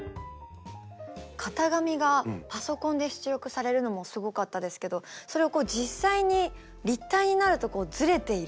型紙がパソコンで出力されるのもすごかったですけどそれを実際に立体になるとずれている。